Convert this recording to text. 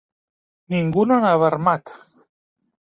Ningú no anava armat